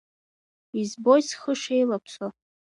Избоит схы шеилаԥсо…